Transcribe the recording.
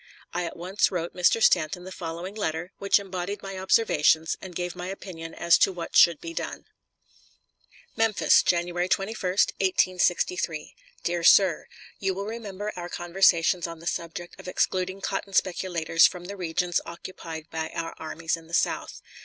I at once wrote Mr. Stanton the following letter, which embodied my observations and gave my opinion as to what should be done: MEMPHIS, January 21, 1863. DEAR SIR: You will remember our conversations on the subject of excluding cotton speculators from the regions occupied by our armies in the South.